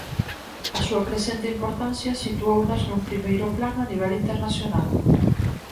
A súa crecente importancia situounas nun primeiro plano a nivel internacional.